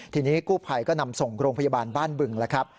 ทีนี้กู้ภัยก็นำส่งโรงพยาบาลบ้านบึงแล้วครับ